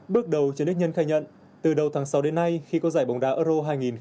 bước đầu trần đức nhân khai nhận từ đầu tháng sáu đến nay khi có giải bóng đá euro hai nghìn hai mươi